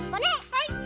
はい。